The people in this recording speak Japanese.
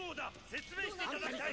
説明していただきたい！